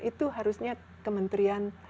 itu harusnya kementerian